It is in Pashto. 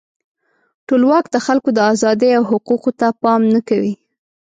ټولواک د خلکو د آزادۍ او حقوقو ته پام نه کوي.